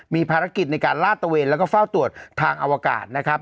มีภารกิจในการลาดตะเวนแล้วก็เฝ้าตรวจทางอวกาศนะครับ